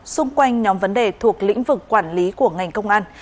xung quanh nhóm vấn đề thuộc lĩnh vực quản lý của ngành công an